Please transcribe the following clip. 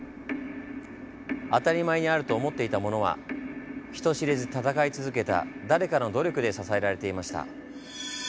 当たり前にあると思っていたものは人知れず闘い続けた誰かの努力で支えられていました。